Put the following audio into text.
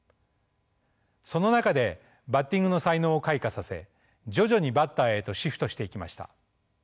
その中でバッティングの才能を開花させ徐々にバッターへとシフトしていきました。